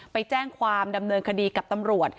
ไปแจ้งความดำเนินคดีกับตำรวจ